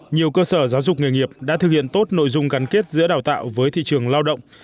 nhiều cơ sở giáo dục nghề nghiệp đã thực hiện tốt nội dung gắn kết giữa đào tạo với thị trường lao động